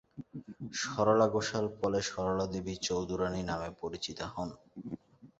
সরলা ঘোষাল পরে সরলাদেবী চৌধুরাণী নামে পরিচিতা হন।